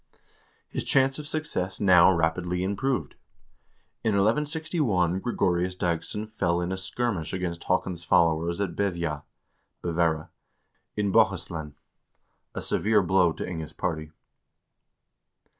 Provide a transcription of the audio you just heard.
His chance of success now rapidly improved. In 1161 Gregorius Dagss0n fell in a skirmish against Haakon's followers at Bevja (Bevera), in Bohuslen, — a severe blow to Inge's party.